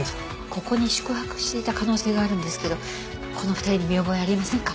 ここに宿泊していた可能性があるんですけどこの２人に見覚えありませんか？